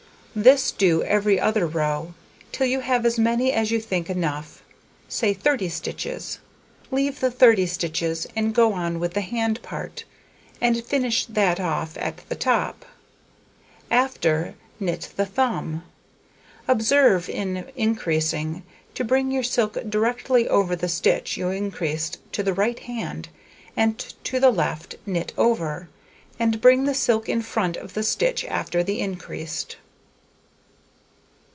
This do every other row, till you have as many as you think enough say 30 stitches; leave the 30 stitches, and go on with the hand part, and finish that off at the top; after, knit the thumb. Observe, in increasing, to bring your silk directly over the stitch you increased to the right hand; and to the left, knit over, and bring the silk in front of the stitch after the increased.